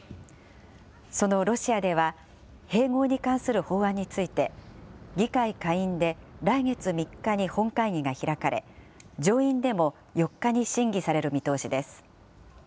そのロシアでは併合に関する法案について、議会下院で来月３日に本会議が開かれ、上院でも４日に審議される見通しです。